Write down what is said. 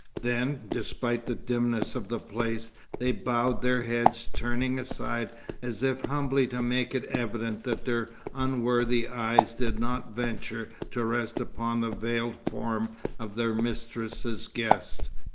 Then, despite the dimness of the place, they bowed their heads turning aside as if humbly to make it evident that their unworthy eyes did not venture to rest upon the veiled form of their mistress's guest.